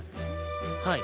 はい。